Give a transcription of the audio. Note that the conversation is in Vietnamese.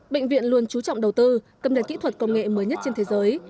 bệnh viện luôn chú trọng đầu tư cầm đặt kỹ thuật công nghệ mới nhất trên thế giới